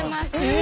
え！